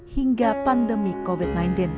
hingga pandemi covid sembilan belas